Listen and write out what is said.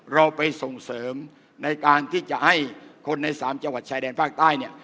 เราไปส่งเสริมในการที่จะให้คนในสามจังหวัดชายแดนภาคใต้เนี่ย